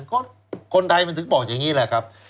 ก็คนไทยมันถึงบอกอย่างนี้แหละครับ